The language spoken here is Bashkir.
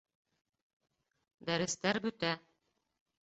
Дәрестәр бөтә.